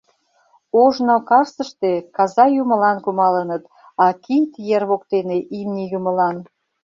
Ожно Карсыште каза-юмылан кумалыныт, а Кийд ер воктене имне-юмылан.